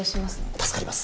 助かります。